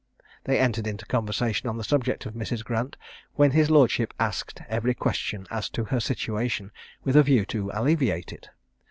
They entered into conversation on the subject of Mrs. Grant, when his lordship asked every question as to her situation, with a view to alleviate it.